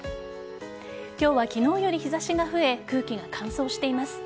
今日は昨日より日差しが増え空気が乾燥しています。